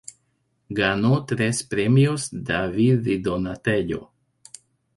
Ganó tres premios David di Donatello.